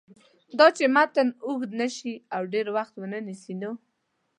داچې متن اوږد نشي او ډېر وخت ونه نیسي نو